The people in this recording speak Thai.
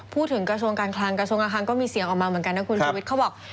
กระทรวงการคลังกระทรวงการคลังก็มีเสียงออกมาเหมือนกันนะคุณชุวิตเขาบอก